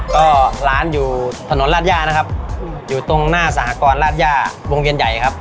ก็ร้านอยู่ถนนราชย่านะครับอยู่ตรงหน้าสหกรณ์ราชย่าวงเวียนใหญ่ครับ